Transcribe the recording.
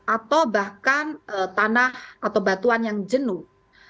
atau bahkan tanah atau batuan yang jenuh